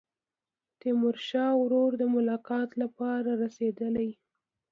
تیمورشاه ورور د ملاقات لپاره رسېدلی.